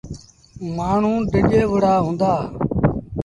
مآڻهوٚݩ ڊڄي وُهڙآ هُݩدآ۔